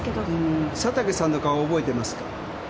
んー佐竹さんの顔覚えてますか？